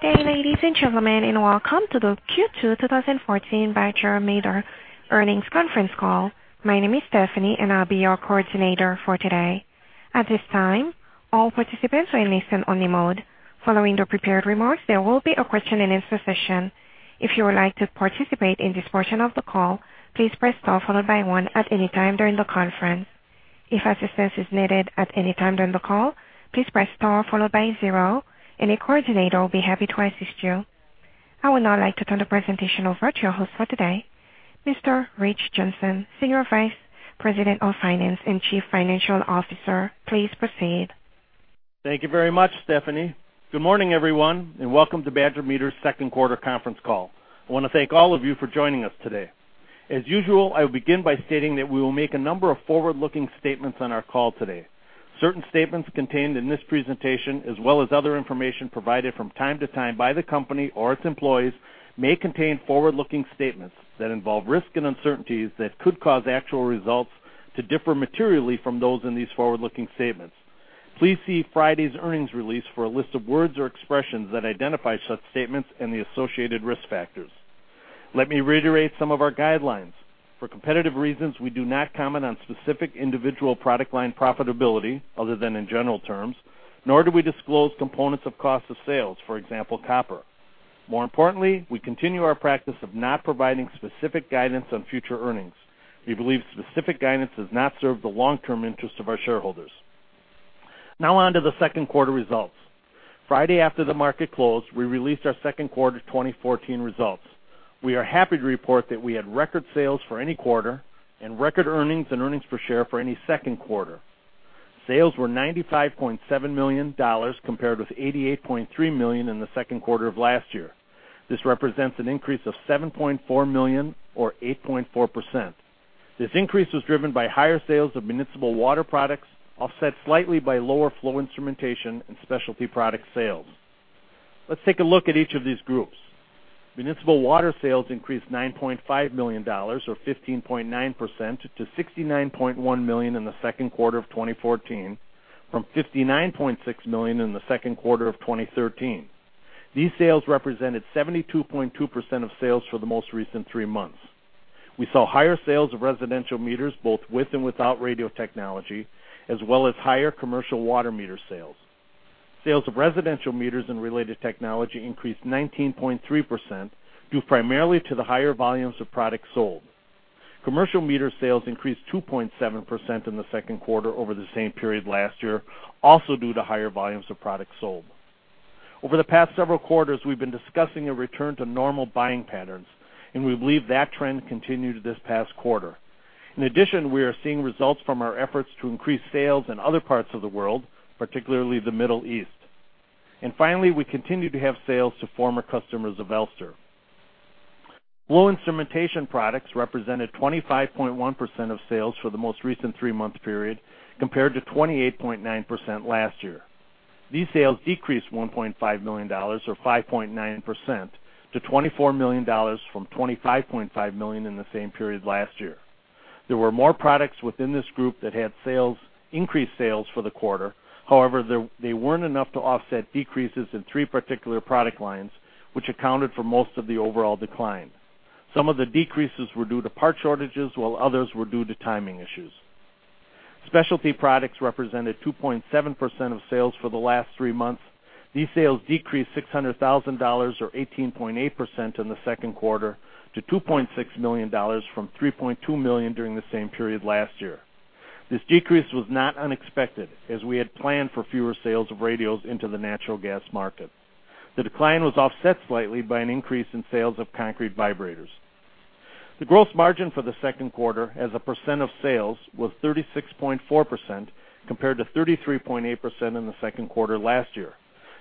Good day, ladies and gentlemen, and welcome to the Q2 2014 Badger Meter Earnings Conference Call. My name is Stephanie, and I'll be your coordinator for today. At this time, all participants are in listen only mode. Following the prepared remarks, there will be a question and answer session. If you would like to participate in this portion of the call, please press star followed by one at any time during the conference. If assistance is needed at any time during the call, please press star followed by zero, and a coordinator will be happy to assist you. I would now like to turn the presentation over to your host for today, Mr. Rich Johnson, Senior Vice President of Finance and Chief Financial Officer. Please proceed. Thank you very much, Stephanie. Good morning, everyone, and welcome to Badger Meter's second quarter conference call. I want to thank all of you for joining us today. As usual, I will begin by stating that we will make a number of forward-looking statements on our call today. Certain statements contained in this presentation as well as other information provided from time to time by the company or its employees may contain forward-looking statements that involve risk and uncertainties that could cause actual results to differ materially from those in these forward-looking statements. Please see Friday's earnings release for a list of words or expressions that identify such statements and the associated risk factors. Let me reiterate some of our guidelines. For competitive reasons, we do not comment on specific individual product line profitability other than in general terms, nor do we disclose components of cost of sales, for example, copper. More importantly, we continue our practice of not providing specific guidance on future earnings. We believe specific guidance does not serve the long-term interest of our shareholders. Now on to the second quarter results. Friday after the market closed, we released our second quarter 2014 results. We are happy to report that we had record sales for any quarter and record earnings and earnings per share for any second quarter. Sales were $95.7 million, compared with $88.3 million in the second quarter of last year. This represents an increase of $7.4 million or 8.4%. This increase was driven by higher sales of municipal water products, offset slightly by lower flow instrumentation and specialty product sales. Let's take a look at each of these groups. Municipal water sales increased $9.5 million or 15.9% to $69.1 million in the second quarter of 2014 from $59.6 million in the second quarter of 2013. These sales represented 72.2% of sales for the most recent three months. We saw higher sales of residential meters, both with and without radio technology, as well as higher commercial water meter sales. Sales of residential meters and related technology increased 19.3%, due primarily to the higher volumes of product sold. Commercial meter sales increased 2.7% in the second quarter over the same period last year, also due to higher volumes of product sold. Over the past several quarters, we've been discussing a return to normal buying patterns, and we believe that trend continued this past quarter. In addition, we are seeing results from our efforts to increase sales in other parts of the world, particularly the Middle East. Finally, we continue to have sales to former customers of Elster. Flow instrumentation products represented 25.1% of sales for the most recent three-month period compared to 28.9% last year. These sales decreased $1.5 million or 5.9% to $24 million from $25.5 million in the same period last year. There were more products within this group that had increased sales for the quarter. However, they weren't enough to offset decreases in three particular product lines, which accounted for most of the overall decline. Some of the decreases were due to part shortages, while others were due to timing issues. Specialty products represented 2.7% of sales for the last three months. These sales decreased $600,000, or 18.8%, in the second quarter to $2.6 million from $3.2 million during the same period last year. This decrease was not unexpected, as we had planned for fewer sales of radios into the natural gas market. The decline was offset slightly by an increase in sales of concrete vibrators. The gross margin for the second quarter as a % of sales was 36.4% compared to 33.8% in the second quarter last year.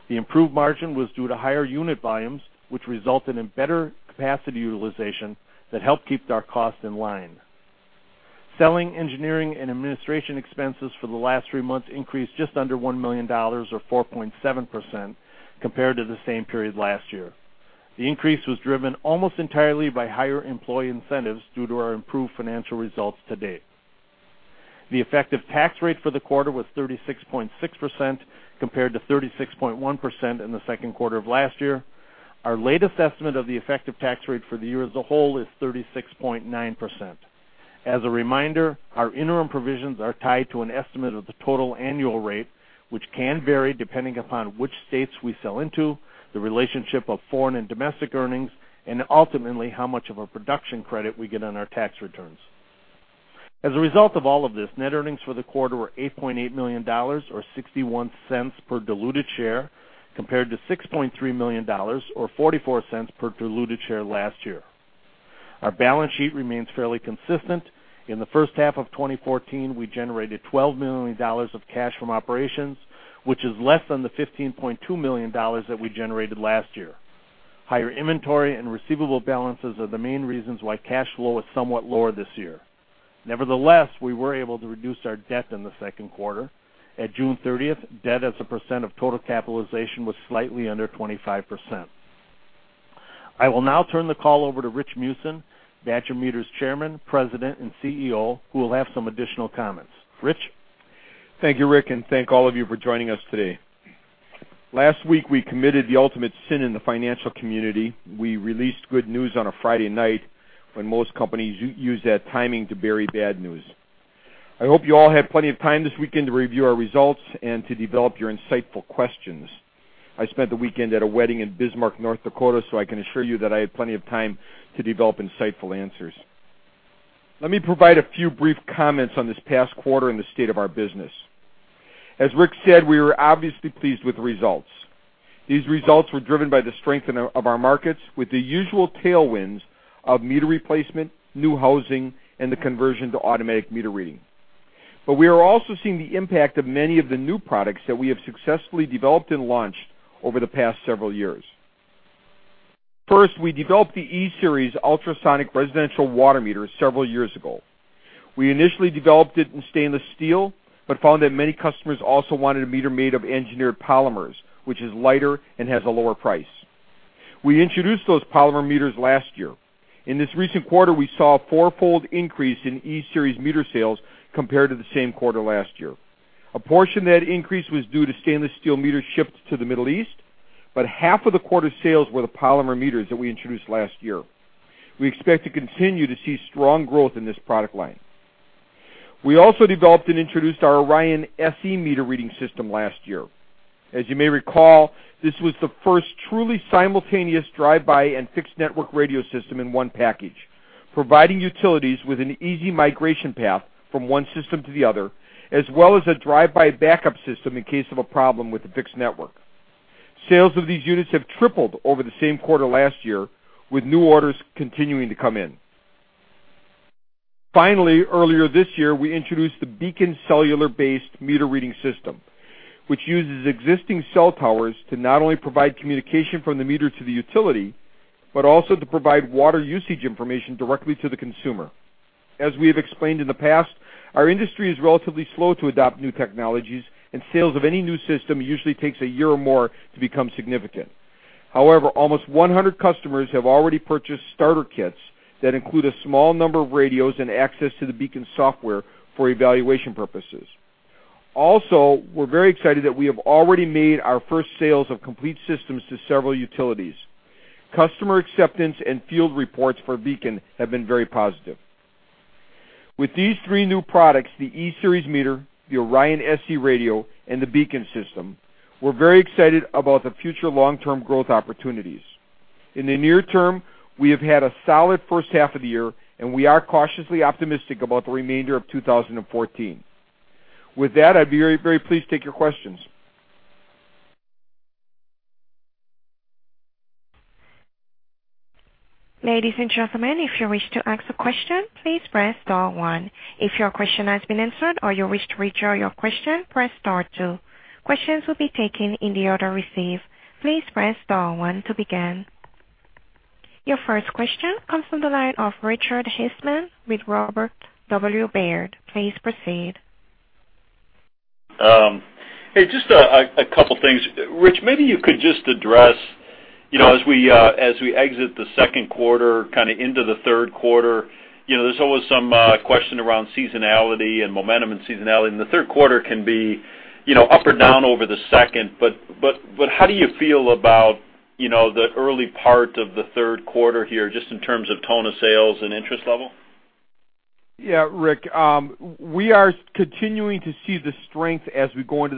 The improved margin was due to higher unit volumes, which resulted in better capacity utilization that helped keep our cost in line. Selling, engineering, and administration expenses for the last three months increased just under $1 million, or 4.7%, compared to the same period last year. The increase was driven almost entirely by higher employee incentives due to our improved financial results to date. The effective tax rate for the quarter was 36.6% compared to 36.1% in the second quarter of last year. Our latest estimate of the effective tax rate for the year as a whole is 36.9%. As a reminder, our interim provisions are tied to an estimate of the total annual rate, which can vary depending upon which states we sell into, the relationship of foreign and domestic earnings, and ultimately how much of a production credit we get on our tax returns. As a result of all of this, net earnings for the quarter were $8.8 million, or $0.61 per diluted share, compared to $6.3 million or $0.44 per diluted share last year. Our balance sheet remains fairly consistent. In the first half of 2014, we generated $12 million of cash from operations, which is less than the $15.2 million that we generated last year. Higher inventory and receivable balances are the main reasons why cash flow is somewhat lower this year. Nevertheless, we were able to reduce our debt in the second quarter. At June 30th, debt as a % of total capitalization was slightly under 25%. I will now turn the call over to Rich Meeusen, Badger Meter's Chairman, President, and CEO, who will have some additional comments. Rich? Thank you, Rick, and thank all of you for joining us today. Last week, we committed the ultimate sin in the financial community. We released good news on a Friday night when most companies use that timing to bury bad news. I hope you all had plenty of time this weekend to review our results and to develop your insightful questions. I spent the weekend at a wedding in Bismarck, North Dakota, so I can assure you that I had plenty of time to develop insightful answers. Let me provide a few brief comments on this past quarter and the state of our business. As Rick said, we are obviously pleased with the results. These results were driven by the strength of our markets, with the usual tailwinds of meter replacement, new housing, and the conversion to automatic meter reading. We are also seeing the impact of many of the new products that we have successfully developed and launched over the past several years. First, we developed the E-Series Ultrasonic Residential Water Meters several years ago. We initially developed it in stainless steel, but found that many customers also wanted a meter made of engineered polymer, which is lighter and has a lower price. We introduced those polymer meters last year. In this recent quarter, we saw a four-fold increase in E-Series meter sales compared to the same quarter last year. A portion of that increase was due to stainless steel meter shipped to the Middle East, but half of the quarter's sales were the polymer meters that we introduced last year. We expect to continue to see strong growth in this product line. We also developed and introduced our ORION SE meter-reading system last year. As you may recall, this was the first truly simultaneous drive-by and fixed network radio system in one package, providing utilities with an easy migration path from one system to the other, as well as a drive-by backup system in case of a problem with the fixed network. Sales of these units have tripled over the same quarter last year, with new orders continuing to come in. Finally, earlier this year, we introduced the BEACON cellular-based meter-reading system, which uses existing cell towers to not only provide communication from the meter to the utility, but also to provide water usage information directly to the consumer. As we have explained in the past, our industry is relatively slow to adopt new technologies, and sales of any new system usually takes a year or more to become significant. However, almost 100 customers have already purchased starter kits that include a small number of radios and access to the BEACON software for evaluation purposes. Also, we're very excited that we have already made our first sales of complete systems to several utilities. Customer acceptance and field reports for BEACON have been very positive. With these three new products, the E-Series meter, the ORION SE radio, and the BEACON system, we're very excited about the future long-term growth opportunities. In the near term, we have had a solid first half of the year, and we are cautiously optimistic about the remainder of 2014. With that, I'd be very pleased to take your questions. Ladies and gentlemen, if you wish to ask a question, please press star one. If your question has been answered or you wish to redraw your question, press star two. Questions will be taken in the order received. Please press star one to begin. Your first question comes from the line of Richard Eastman with Robert W. Baird. Please proceed. Hey, just a couple things. Rich, maybe you could just address as we exit the second quarter into the third quarter, there's always some question around seasonality and momentum and seasonality, and the third quarter can be up or down over the second. How do you feel about the early part of the third quarter here, just in terms of tone of sales and interest level? Rick, we are continuing to see the strength as we go into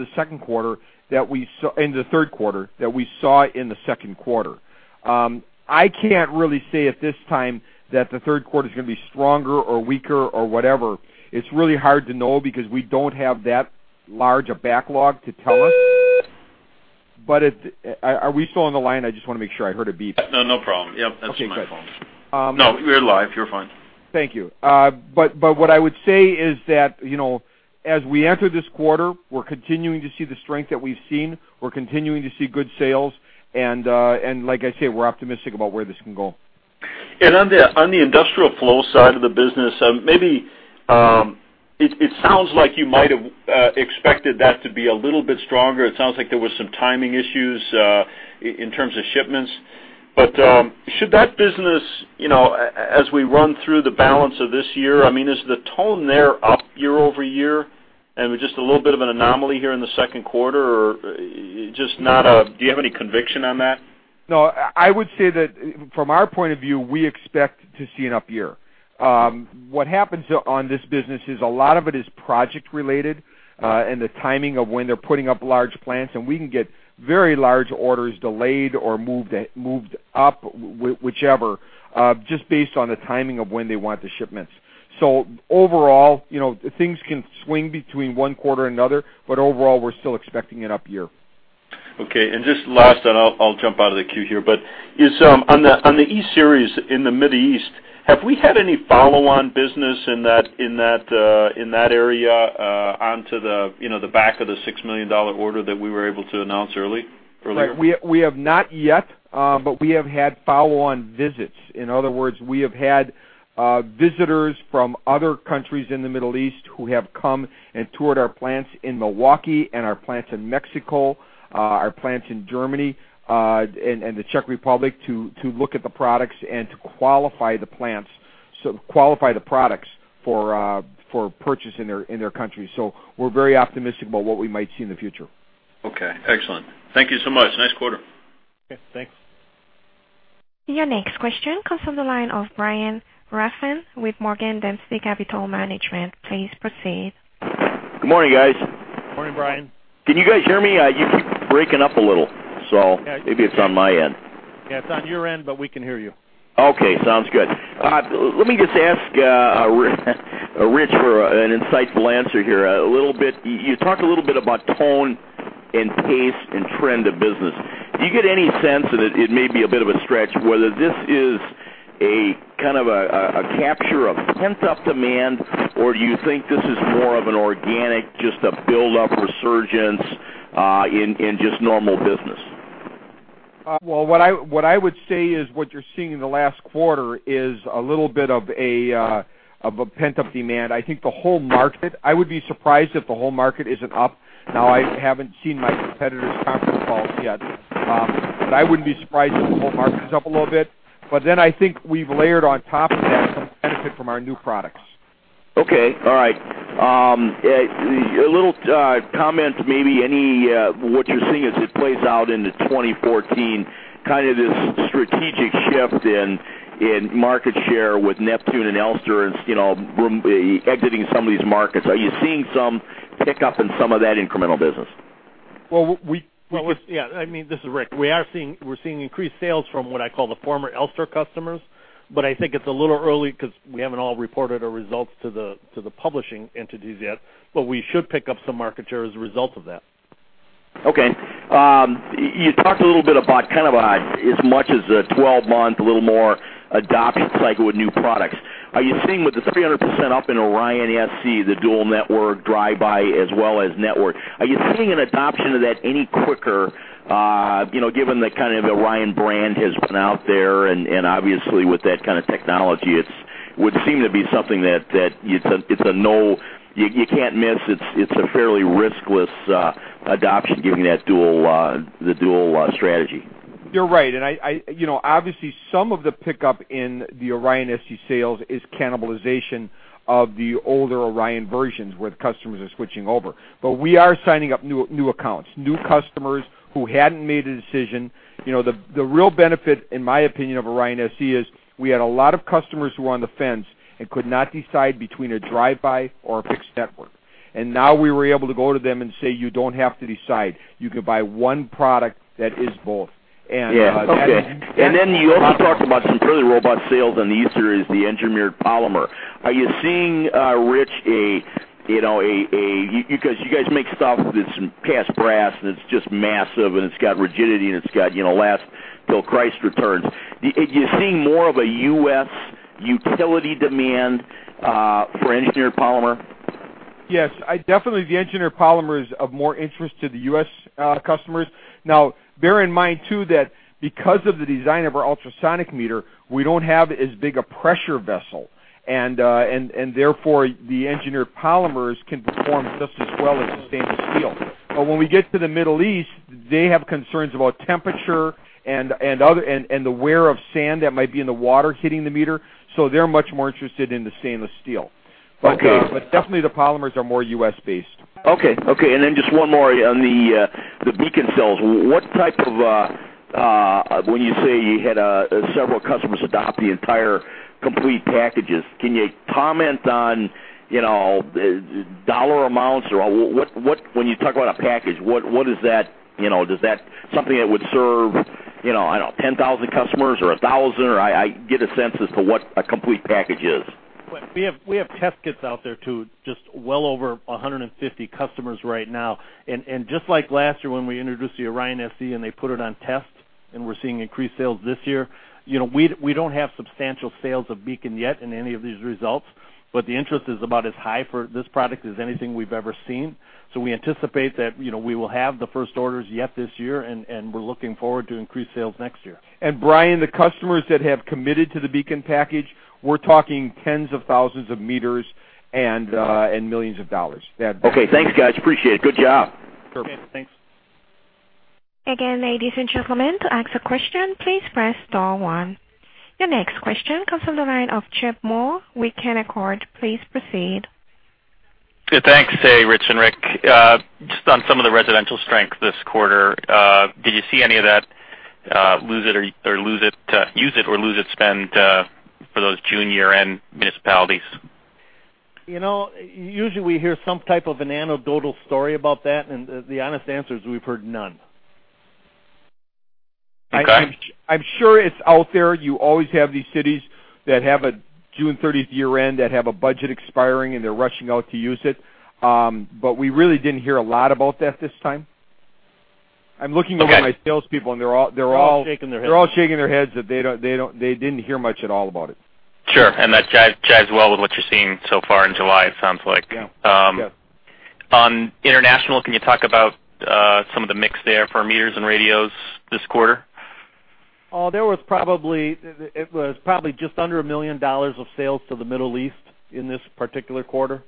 the third quarter that we saw in the second quarter. I can't really say at this time that the third quarter is going to be stronger or weaker or whatever. It's really hard to know because we don't have that large a backlog to tell us. Are we still on the line? I just want to make sure. I heard a beep. No, no problem. Yep, that's my phone. Okay, good. No, you're live. You're fine. Thank you. What I would say is that, as we enter this quarter, we're continuing to see the strength that we've seen. We're continuing to see good sales, and like I say, we're optimistic about where this can go. On the industrial flow side of the business, it sounds like you might have expected that to be a little bit stronger. It sounds like there was some timing issues in terms of shipments. Should that business, as we run through the balance of this year, is the tone there up year-over-year and was just a little bit of an anomaly here in the second quarter? Do you have any conviction on that? No, I would say that from our point of view, we expect to see an up year. What happens on this business is a lot of it is project-related, and the timing of when they're putting up large plants, and we can get very large orders delayed or moved up, whichever, just based on the timing of when they want the shipments. Overall, things can swing between one quarter and another, but overall, we're still expecting an up year. Okay. Just last, I'll jump out of the queue here, on the E-Series in the Middle East, have we had any follow-on business in that area onto the back of the $6 million order that we were able to announce earlier? We have not yet. We have had follow-on visits. In other words, we have had visitors from other countries in the Middle East who have come and toured our plants in Milwaukee and our plants in Mexico, our plants in Germany, and the Czech Republic to look at the products and to qualify the products for purchase in their country. We're very optimistic about what we might see in the future. Okay, excellent. Thank you so much. Nice quarter. Okay, thanks. Your next question comes from the line of Brian Rafn with Morgan Dempsey Capital Management. Please proceed. Good morning, guys. Morning, Brian. Can you guys hear me? You keep breaking up a little. Maybe it's on my end. Yeah, it's on your end, we can hear you. Okay, sounds good. Let me just ask Rich for an insightful answer here a little bit. You talk a little bit about tone and pace and trend of business. Do you get any sense, and it may be a bit of a stretch, whether this is a capture of pent-up demand, or do you think this is more of an organic, just a build-up resurgence in just normal business? What I would say is what you're seeing in the last quarter is a little bit of a pent-up demand. I think the whole market, I would be surprised if the whole market isn't up. I haven't seen my competitors' conference calls yet, I wouldn't be surprised if the whole market is up a little bit. I think we've layered on top of that some benefit from our new products. Okay. All right. A little comment, maybe any, what you're seeing as it plays out into 2014, kind of this strategic shift in market share with Neptune and Elster exiting some of these markets. Are you seeing some pickup in some of that incremental business? Well. Yeah. This is Rick. We're seeing increased sales from what I call the former Elster customers, but I think it's a little early because we haven't all reported our results to the publishing entities yet, but we should pick up some market share as a result of that. Okay. You talked a little bit about kind of a, as much as a 12-month, a little more adoption cycle with new products. Are you seeing with the 300% up in ORION SE, the dual network drive-by as well as network, are you seeing an adoption of that any quicker, given the kind of the ORION brand has been out there and obviously with that kind of technology, it would seem to be something that you can't miss. It's a fairly riskless adoption given the dual strategy. You're right. Obviously, some of the pickup in the ORION SE sales is cannibalization of the older ORION versions where the customers are switching over. We are signing up new accounts, new customers who hadn't made a decision. The real benefit, in my opinion, of ORION SE is we had a lot of customers who were on the fence and could not decide between a drive-by or a fixed network. Now we were able to go to them and say, "You don't have to decide. You can buy one product that is both. Yeah. Okay. You also talked about some fairly robust sales on the E-Series is the engineered polymer. Are you seeing, Rich, because you guys make stuff that's cast brass, and it's just massive, and it's got rigidity, and it's got last till Christ returns. Are you seeing more of a U.S. utility demand for engineered polymer? Yes. Definitely the engineered polymer is of more interest to the U.S. customers. Bear in mind, too, that because of the design of our ultrasonic meter, we don't have as big a pressure vessel, and therefore, the engineered polymer can perform just as well as the stainless steel. When we get to the Middle East, they have concerns about temperature and the wear of sand that might be in the water hitting the meter, so they're much more interested in the stainless steel. Okay. Definitely the polymers are more U.S.-based. Okay. Then just one more on the BEACON cells. When you say you had several customers adopt the entire complete packages, can you comment on dollar amounts or when you talk about a package, what is that? Is that something that would serve, I don't know, 10,000 customers or 1,000? Get a sense as to what a complete package is. We have test kits out there to just well over 150 customers right now. Just like last year when we introduced the ORION SE, they put it on test, we're seeing increased sales this year. We don't have substantial sales of BEACON yet in any of these results, the interest is about as high for this product as anything we've ever seen. We anticipate that we will have the first orders this year, we're looking forward to increased sales next year. Brian, the customers that have committed to the BEACON package, we're talking tens of thousands of meters and millions of dollars. Okay. Thanks, guys. Appreciate it. Good job. Perfect. Thanks. Again, ladies and gentlemen, to ask a question, please press star one. Your next question comes from the line of Chip Moore with Canaccord. Please proceed. Thanks, Rich and Rick. Just on some of the residential strength this quarter, did you see any of that use it or lose it spend for those June year-end municipalities? Usually we hear some type of an anecdotal story about that, and the honest answer is we've heard none. Okay. I'm sure it's out there. You always have these cities that have a June 30th year-end that have a budget expiring, and they're rushing out to use it. We really didn't hear a lot about that this time. I'm looking over my salespeople, and they're all- They're all shaking their heads they're all shaking their heads that they didn't hear much at all about it. Sure. That jives well with what you're seeing so far in July, it sounds like. Yeah. Yeah. On international, can you talk about some of the mix there for meters and radios this quarter? It was probably just under $1 million of sales to the Middle East in this particular quarter.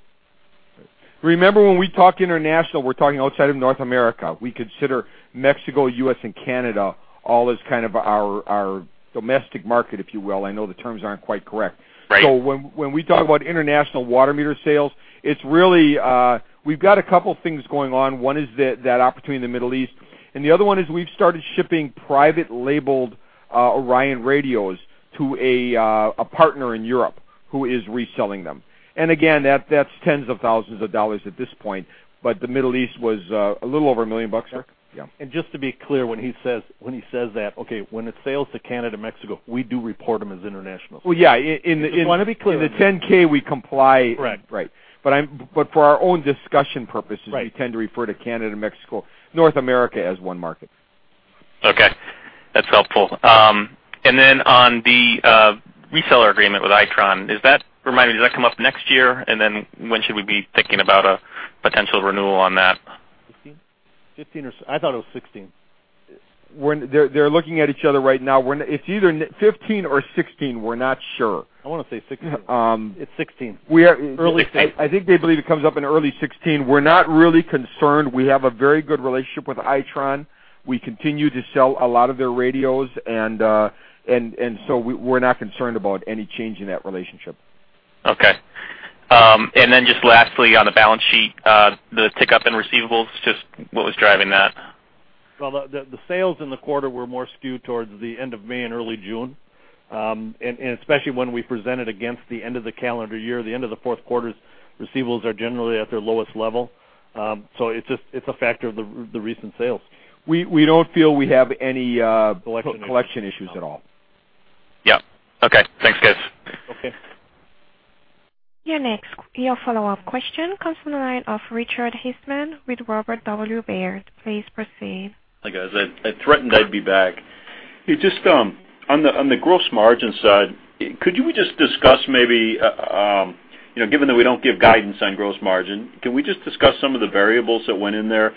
Remember when we talk international, we're talking outside of North America. We consider Mexico, U.S., and Canada all as kind of our domestic market, if you will. I know the terms aren't quite correct. Right. When we talk about international water meter sales, we've got a couple things going on. One is that opportunity in the Middle East, the other one is we've started shipping private labeled ORION Radios to a partner in Europe who is reselling them. Again, that's tens of thousands of dollars at this point. The Middle East was a little over $1 million. Rick? Yeah. Just to be clear, when he says that, okay, when it's sales to Canada, Mexico, we do report them as international sales. Well, yeah. Just want to be clear. In the 10-K, we comply. Correct. Right. For our own discussion purposes. Right We tend to refer to Canada and Mexico, North America, as one market. Okay. That's helpful. On the reseller agreement with Itron, remind me, does that come up next year? When should we be thinking about a potential renewal on that? 2015? I thought it was 2016. They're looking at each other right now. It's either 2015 or 2016, we're not sure. I want to say 2016. It's 2016. Early 2016. I think they believe it comes up in early 2016. We're not really concerned. We have a very good relationship with Itron. We continue to sell a lot of their radios, and so we're not concerned about any change in that relationship. Okay. Just lastly, on the balance sheet, the tick-up in receivables, just what was driving that? Well, the sales in the quarter were more skewed towards the end of May and early June. Especially when we presented against the end of the calendar year, the end of the fourth quarter, receivables are generally at their lowest level. It's a factor of the recent sales. We don't feel we have. Collection issues. Collection issues at all. Yep. Okay. Thanks, guys. Okay. Your follow-up question comes from the line of Richard Eastman with Robert W. Baird. Please proceed. Hi, guys. I threatened I'd be back. On the gross margin side, could you just discuss maybe, given that we don't give guidance on gross margin, can we just discuss some of the variables that went in there?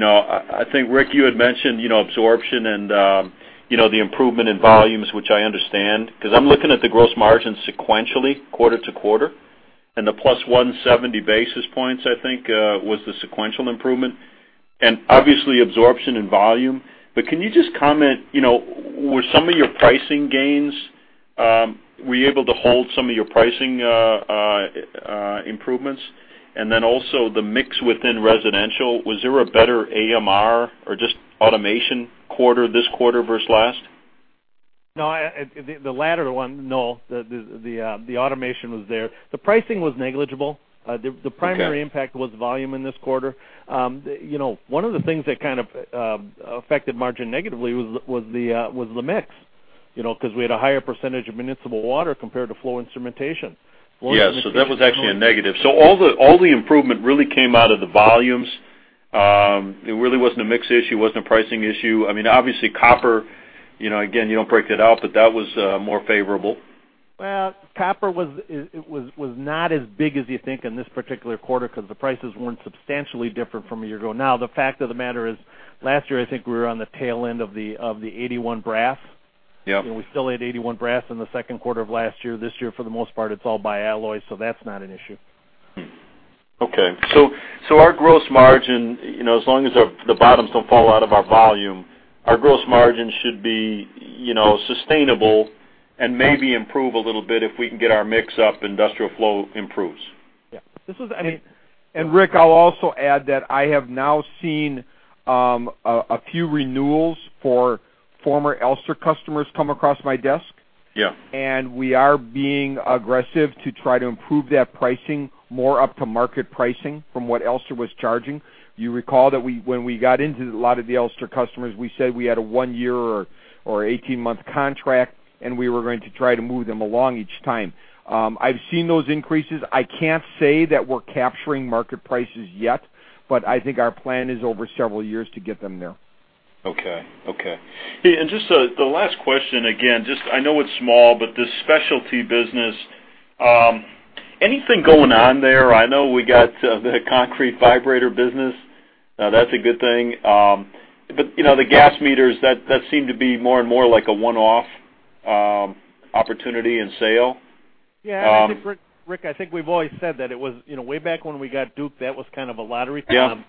I think, Rick, you had mentioned absorption and the improvement in volumes, which I understand because I'm looking at the gross margin sequentially quarter-to-quarter, and the plus 170 basis points, I think, was the sequential improvement. Obviously absorption and volume. Can you just comment, were some of your pricing gains, were you able to hold some of your pricing improvements? Also the mix within residential, was there a better AMR or just automation quarter this quarter versus last? No, the latter one, no. The automation was there. The pricing was negligible. Okay. The primary impact was volume in this quarter. One of the things that kind of affected margin negatively was the mix, because we had a higher percentage of municipal water compared to flow instrumentation. Yeah. That was actually a negative. All the improvement really came out of the volumes. It really wasn't a mix issue, it wasn't a pricing issue. Obviously copper, again, you don't break that out, but that was more favorable. Well, copper was not as big as you think in this particular quarter because the prices weren't substantially different from a year ago. The fact of the matter is, last year, I think we were on the tail end of the C851 brass. Yep. We still had C851 brass in the second quarter of last year. This year, for the most part, it's all BiAlloy, so that's not an issue. Okay. Our gross margin, as long as the bottoms don't fall out of our volume, our gross margin should be sustainable and maybe improve a little bit if we can get our mix up, industrial flow improves. Yeah. I'll also add that I have now seen a few renewals for former Elster customers come across my desk. Yeah. We are being aggressive to try to improve that pricing more up to market pricing from what Elster was charging. You recall that when we got into a lot of the Elster customers, we said we had a one-year or 18-month contract, and we were going to try to move them along each time. I've seen those increases. I can't say that we're capturing market prices yet, but I think our plan is over several years to get them there. Okay. Just the last question, again, I know it's small, but this specialty business, anything going on there? I know we got the concrete vibrator business. Now that's a good thing. But the gas meters, that seem to be more and more like a one-off opportunity and sale. Yeah. I think, Rick, I think we've always said that it was way back when we got Duke, that was kind of a lottery thing. Yeah.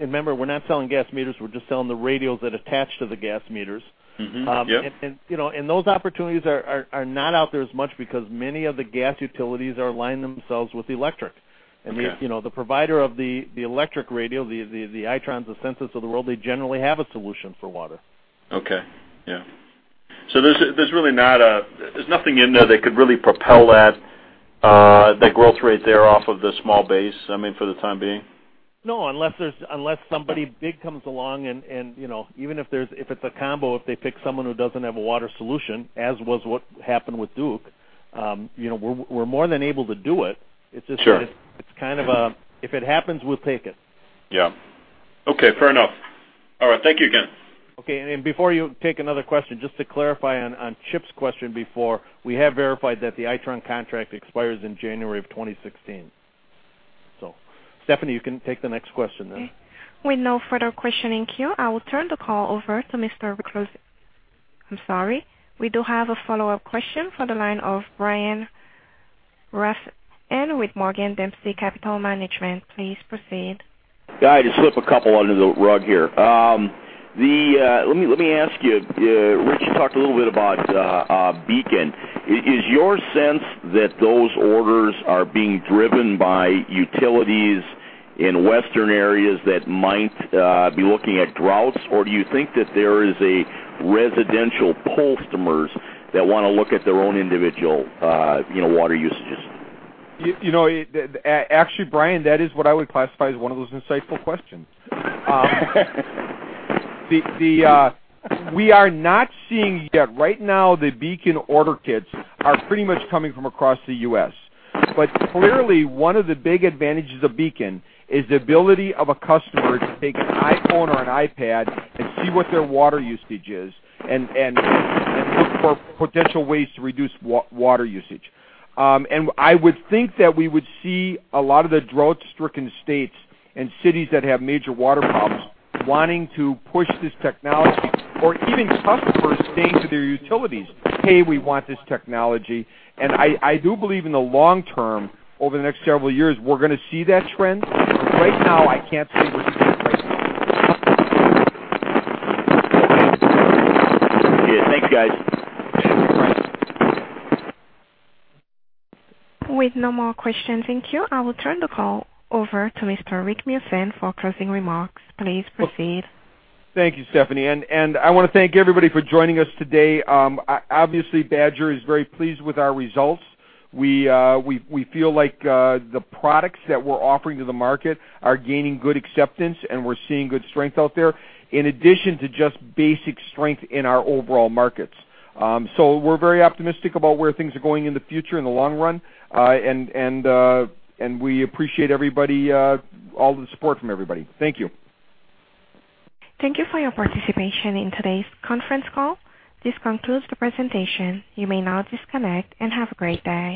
Remember, we're not selling gas meters, we're just selling the radios that attach to the gas meters. Mm-hmm. Yep. Those opportunities are not out there as much because many of the gas utilities are aligning themselves with electric. Okay. The provider of the electric radio, the Itron, the Sensus of the world, they generally have a solution for water. Okay. Yeah. There's nothing in there that could really propel that growth rate there off of the small base, I mean, for the time being? No, unless somebody big comes along and even if it's a combo, if they pick someone who doesn't have a water solution, as was what happened with Duke, we're more than able to do it. Sure. It's kind of a if it happens, we'll take it. Yeah. Okay. Fair enough. All right. Thank you again. Before you take another question, just to clarify on Chip's question before, we have verified that the Itron contract expires in January of 2016. Stephanie, you can take the next question then. Okay. With no further question in queue, I'm sorry. We do have a follow-up question for the line of Brian Rafn with Morgan Dempsey Capital Management. Please proceed. Yeah, I just slip a couple under the rug here. Let me ask you, Rich, you talked a little bit about BEACON. Is your sense that those orders are being driven by utilities in Western areas that might be looking at droughts, or do you think that there is a residential customers that wanna look at their own individual water usages? Actually, Brian, that is what I would classify as one of those insightful questions. We are not seeing yet. Right now, the BEACON order kits are pretty much coming from across the U.S. Clearly one of the big advantages of BEACON is the ability of a customer to take an iPhone or an iPad and see what their water usage is and look for potential ways to reduce water usage. I would think that we would see a lot of the drought-stricken states and cities that have major water problems wanting to push this technology, or even customers saying to their utilities, "Hey, we want this technology." I do believe in the long term, over the next several years, we're gonna see that trend. Right now, I can't say we're seeing it right now. Okay. Thank you, guys. With no more questions, thank you. I will turn the call over to Mr. Richard Meeusen for closing remarks. Please proceed. Thank you, Stephanie. I wanna thank everybody for joining us today. Obviously, Badger is very pleased with our results. We feel like the products that we're offering to the market are gaining good acceptance, and we're seeing good strength out there, in addition to just basic strength in our overall markets. We're very optimistic about where things are going in the future, in the long run, and we appreciate everybody, all the support from everybody. Thank you. Thank you for your participation in today's conference call. This concludes the presentation. You may now disconnect, and have a great day.